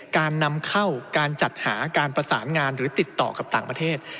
การนำเข้าการจัดหาการประสานงานหรือติดต่อกับต่างประเทศ